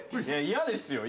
嫌ですよ。